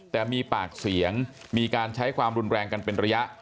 แต่มีปากเสียงมีการใช้ความรุนแรงกันเป็นระยะ